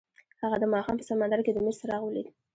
هغه د ماښام په سمندر کې د امید څراغ ولید.